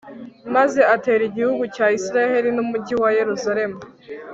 maze atera igihugu cya israheli n'umugi wa yeruzalemu